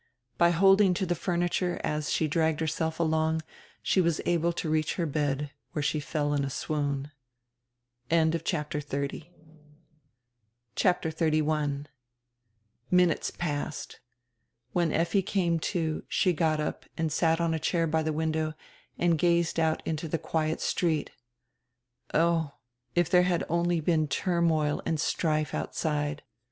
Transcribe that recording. By holding to the furniture as she dragged herself along she was able to reach her bed, where she fell in a swoon. 1 CHAPTER XXXI MINUTES passed. When Effi came to she got up and sat on a chair by the window and gazed out into die quiet street. Oh, if diere had only been turmoil and strife outside!